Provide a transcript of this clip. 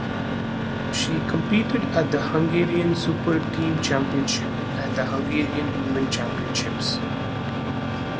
She competed at the Hungarian Super Team Championships and the Hungarian Event Championships.